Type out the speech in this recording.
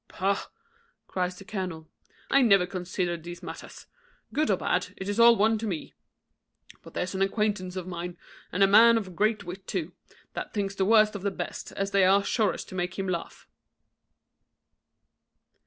"Pugh!" cries the colonel, "I never consider these matters. Good or bad, it is all one to me; but there's an acquaintance of mine, and a man of great wit too, that thinks the worst the best, as they are the surest to make him laugh."